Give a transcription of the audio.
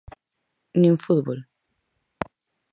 Nin fútbol.